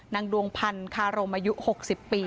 นางดวงพันธุ์คารมอายุหกสิบปี